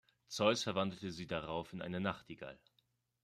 Zeus verwandelte sie darauf in eine Nachtigall.